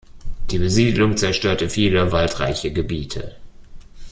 Die Besiedlung zerstörte viele waldreiche Gebiete.